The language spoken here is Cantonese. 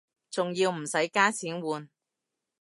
仲要唔使加錢換